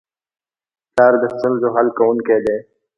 پلار د ستونزو حل کوونکی دی.